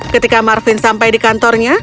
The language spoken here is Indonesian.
ketika marvin sampai di kantornya